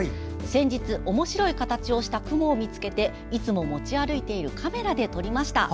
先日おもしろい形をした雲を見つけていつも持ち歩いているカメラで撮りました。